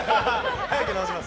早く治します。